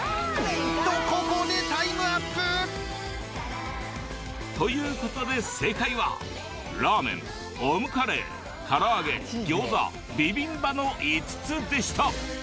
とここでタイムアップ。ということで正解はラーメンオムカレー唐揚げ餃子ビビンバの５つでした。